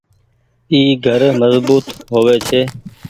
اي گهر مزبوت هووي ڇي